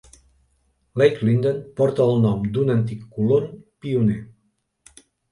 Lake Linden porta el nom d'un antic colon pioner.